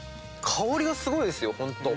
香りがすごいですよ。